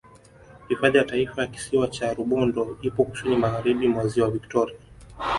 Hifadhi ya Taifa ya Kisiwa cha Rubondo ipo Kusini Magharibi mwa Ziwa Victoria